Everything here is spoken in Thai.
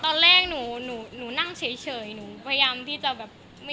ตอนแรกหนูหนูนั่งเฉยหนูพยายามที่จะแบบไม่